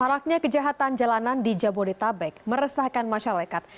maraknya kejahatan jalanan di jabodetabek meresahkan masyarakat